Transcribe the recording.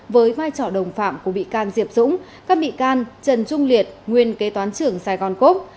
với vai trò đồng phạm của bị can diệp dũng các bị can trần trung liệt nguyên kế toán trưởng sài gòn cốc